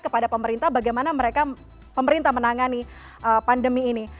kepada pemerintah bagaimana mereka pemerintah menangani pandemi ini